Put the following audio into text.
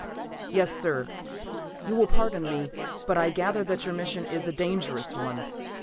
"Yes, sir. You will pardon me, but I gather that your mission is a dangerous one.